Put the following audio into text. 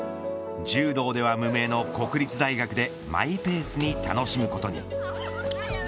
柔道では無名の国立大学でマイペースに楽しむことに。